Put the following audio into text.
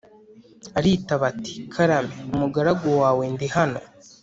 Aritaba ati “Karame umugaragu wawe ndi hano.”